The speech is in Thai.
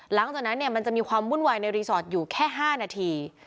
หลังจากนั้นมันจะมีความวุ่นวายในรีสอร์ทอยู่แค่๕นาที